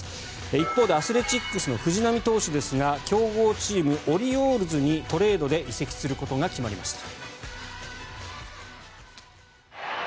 一方でアスレチックスの藤浪投手ですが強豪チーム、オリオールズにトレードで移籍することが決まりました。